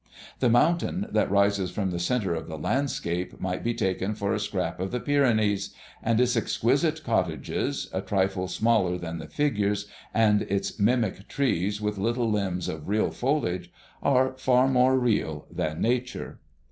The mountain that rises in the centre of the landscape might be taken for a scrap of the Pyrenees; and its exquisite cottages, a trifle smaller than the figures, and its mimic trees with little limbs of real foliage are far more real than Nature.